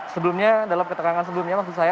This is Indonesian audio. sebelumnya dalam keterangan sebelumnya maksud saya